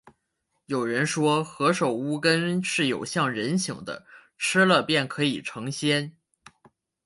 有人说，何首乌根是有像人形的，吃了便可以成仙